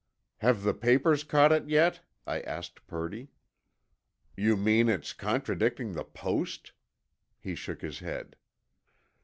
'" "Have the papers caught it yet?" I asked Purdy. "You mean its contradicting the Post?" He shook his head.